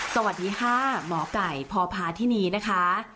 สวัสดีค่ะหมอไก่พพาธินีนะคะ